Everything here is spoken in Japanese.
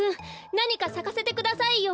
なにかさかせてくださいよ。